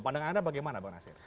pandangan anda bagaimana bang nasir